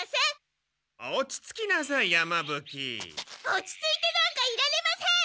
落ち着いてなんかいられません！